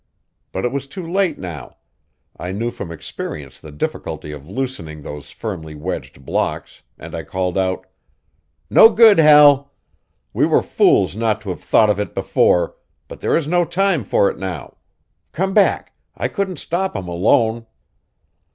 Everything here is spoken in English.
But it was too late now; I knew from experience the difficulty of loosening those firmly wedged blocks, and I called out: "No good, Hal. We were fools not to have thought of it before, but there is no time for it now. Come back; I couldn't stop 'em alone."